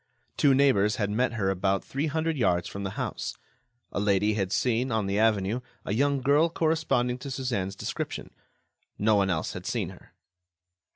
Two neighbors had met her about three hundred yards from the house. A lady had seen, on the avenue, a young girl corresponding to Suzanne's description. No one else had seen her.